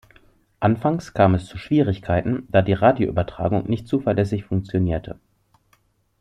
Anfangs kam es zu Schwierigkeiten, da die Radioübertragung nicht zuverlässig funktionierte.